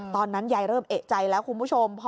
ตอนนั้นยายเริ่มเอกใจแล้วคุณผู้ชม